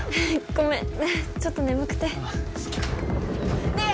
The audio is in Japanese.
ごめんちょっと眠くてねえ